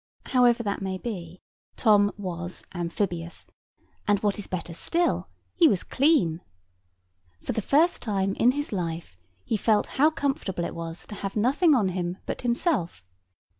However that may be, Tom was amphibious: and what is better still, he was clean. For the first time in his life, he felt how comfortable it was to have nothing on him but himself.